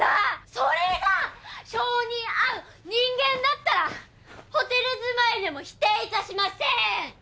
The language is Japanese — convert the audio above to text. それが性に合う人間だったらホテル住まいでも否定いたしません！